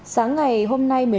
sáng ngày hôm nay